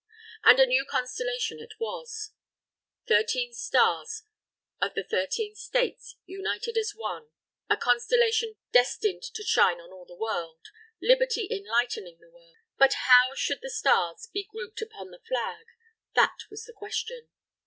And a new Constellation it was, Thirteen Stars of the Thirteen States united as one, a Constellation destined to shine on all the World Liberty enlightening the World! But how should the Stars be grouped upon the Flag? that was the question.